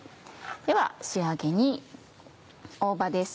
では仕上げに大葉です。